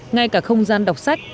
ngay cả không gian đọc sách